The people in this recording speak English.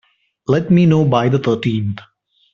Let me know by the thirteenth.